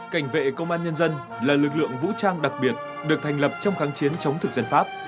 cảnh vệ công an nhân dân là lực lượng vũ trang đặc biệt được thành lập trong kháng chiến chống thực dân pháp